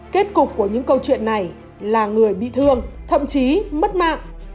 kết cục của những câu chuyện này là người bị thương thậm chí mất mạng